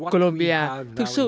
columbia thực sự